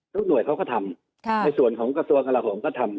หน่วยเขาก็ทำในส่วนของกระทรวงกระลาโหมก็ทำ